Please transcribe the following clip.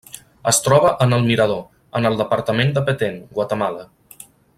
Es troba en El Mirador, en el departament de Petén, Guatemala.